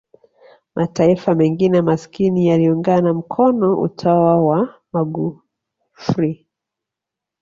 mataifa mengine masikini yaliungana mkono utawa wa magufri